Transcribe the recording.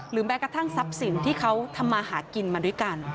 แม้กระทั่งทรัพย์สินที่เขาทำมาหากินมาด้วยกัน